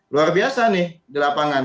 luar biasa nih di lapangan